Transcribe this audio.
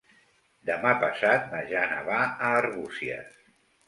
Demà passat na Jana va a Arbúcies.